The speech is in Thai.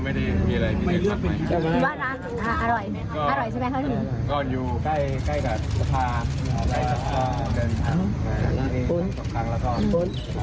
แล้วก็จัดการได้เร็วเร็ว